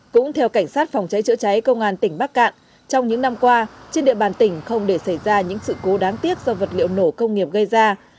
cũng theo cảnh sát phòng cháy chữa cháy công an tỉnh bắc cạn trong những năm qua trên địa bàn tỉnh không để xảy ra những sự cố đáng tiếc do vật liệu nổ công nghiệp gây ra